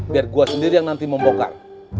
biar gue sendiri yang nanti membongkar